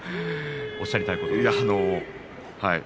おっしゃりたいことを。